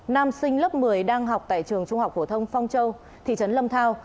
nam sinh lớp một mươi đang học tại trường trung học phổ thông phong châu thị trấn lâm thao